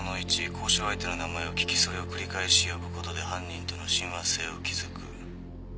交渉相手の名前を聞きそれを繰り返し呼ぶことで犯人との親和性を築く。